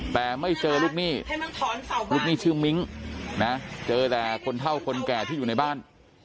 แต่ไม่เจอลูกหนี้ลูกหนี้ชื่อมิ้งนะเจอแต่คนเท่าคนแก่ที่อยู่ในบ้าน